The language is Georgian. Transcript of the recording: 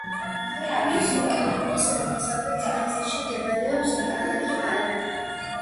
მის უკიდურეს დასავლეთ ნაწილში მდებარეობს ქალაქი არაია.